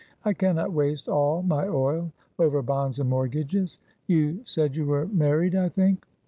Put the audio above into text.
I can not waste all my oil over bonds and mortgages. You said you were married, I think?"